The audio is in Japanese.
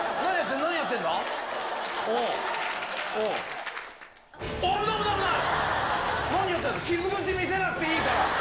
何やってんだ、傷口見せなくていいから。